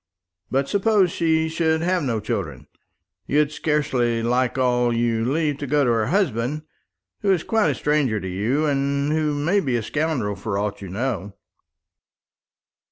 But suppose she should have no children, you'd scarcely like all you leave to go to her husband, who is quite a stranger to you, and who may be a scoundrel for aught you know."